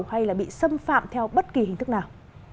hay bị xâm phạm theo bất kỳ hình thức nào